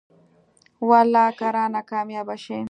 والله که رانه کاميابه شې.